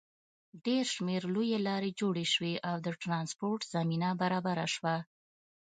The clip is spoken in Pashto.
ډېر شمېر لویې لارې جوړې شوې او د ټرانسپورټ زمینه برابره شوه.